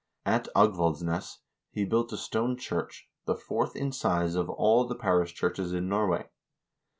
At Agvaldsnes he built a stone church, the fourth in size of all the parish churches in Norway.